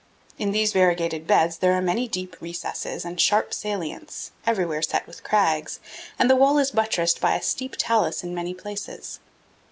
In these variegated beds there are many deep recesses and sharp salients, everywhere set with crags, and the wall is buttressed by a steep talus in many places.